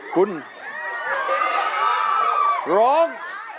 คุณร้อง